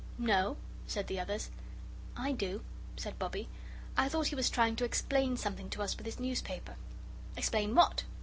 "No," said the others. "I do," said Bobbie. "I thought he was trying to explain something to us with his newspaper." "Explain what?"